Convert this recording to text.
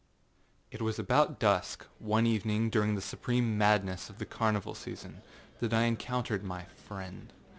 It was about dusk, one evening during the supreme madness of the carnival season, that I encountered my friend.